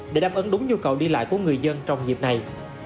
để đáp ứng đúng nhu cầu đi lại của người dân trong dịp này